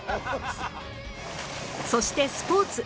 そしてスポーツ